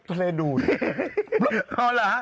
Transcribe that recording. ทะเลดูด